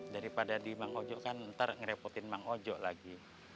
daripada di mang ojok kan ntar ngerepotin mang ojo lagi